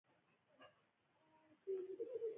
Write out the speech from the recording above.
د مصر لومړنۍ پاچاهي رامنځته شوه.